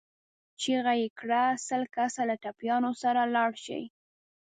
چيغه يې کړه! سل کسه له ټپيانو سره لاړ شئ.